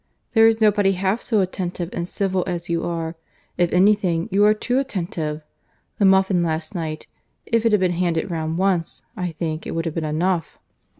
There is nobody half so attentive and civil as you are. If any thing, you are too attentive. The muffin last night—if it had been handed round once, I think it would have been enough."